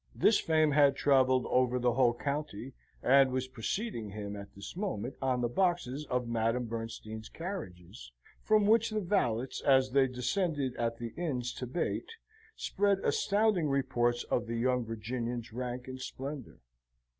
This fame had travelled over the whole county, and was preceding him at this moment on the boxes of Madame Bernstein's carriages, from which the valets, as they descended at the inns to bait, spread astounding reports of the young Virginian's rank and splendour.